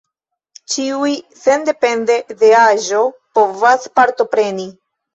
Ĉiuj, sendepende de aĝo, povas partopreni.